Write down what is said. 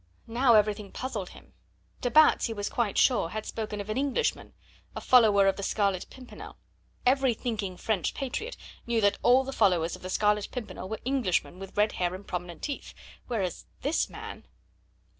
Now everything puzzled him. De Batz he was quite sure had spoken of an Englishman, a follower of the Scarlet Pimpernel; every thinking French patriot knew that all the followers of the Scarlet Pimpernel were Englishmen with red hair and prominent teeth, whereas this man....